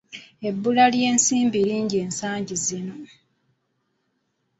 Ebbula ly’ensimbi lingi ensangi zino!